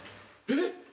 えっ！？